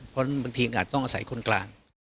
เพราะบางทีอาจต้องอาศัยคนกลาง